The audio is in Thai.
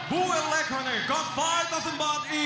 พวกเราได้๕๐๐๐บาททุกคน